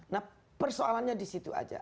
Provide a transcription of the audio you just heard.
nah persoalannya di situ aja